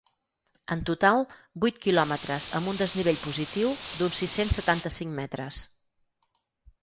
En total, vuit quilòmetres amb un desnivell positiu d’uns sis-cents setanta-cinc metres.